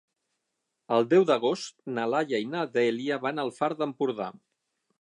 El deu d'agost na Laia i na Dèlia van al Far d'Empordà.